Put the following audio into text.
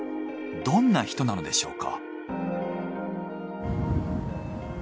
どんな人なのでしょうか？